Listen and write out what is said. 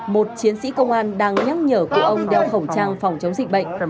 một chiến sĩ công an đang nhắc nhở cụ ông đeo khẩu trang phòng chống dịch bệnh